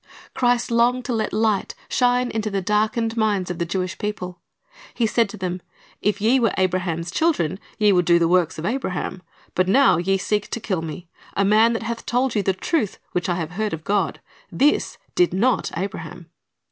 Christ longed to let light shine into the darkened minds of the Jewish people. He said to them, "If ye were Abraham's children, ye would do the works of Abraham. But now ye seek to kill Me, a man that hath told }'ou the truth, which I have heard of God. This did not Abraham."''